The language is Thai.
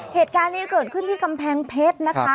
เหตุการณ์นี้เกิดขึ้นที่กำแพงเพชรนะคะ